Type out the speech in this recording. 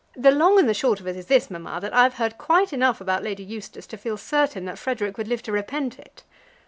The long and the short of it is this, mamma, that I've heard quite enough about Lady Eustace to feel certain that Frederic would live to repent it."